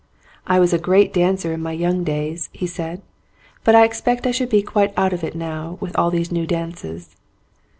"I was a great dancer in my young days," he said, "but I expect I should be quite out of it now with all these new dances."